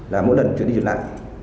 là mỗi lần truyền đi truyền lại